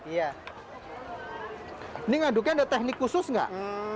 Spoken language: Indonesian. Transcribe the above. ini ngaduknya ada teknik khusus nggak